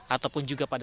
ataupun juga pada saatnya